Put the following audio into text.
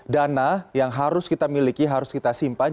dana yang harus kita miliki harus kita simpan